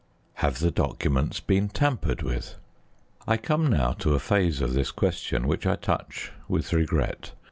HAVE THE DOCUMENTS BEEN TAMPERED WITH? I come now to a phase of this question which I touch with regret.